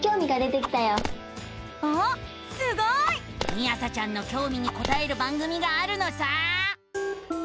みあさちゃんのきょうみにこたえる番組があるのさ！